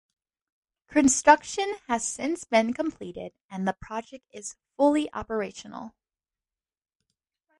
Construction has since been completed and the project is fully operational.